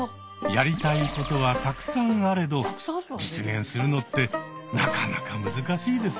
やりたいことはたくさんあれど実現するのってなかなか難しいですよね。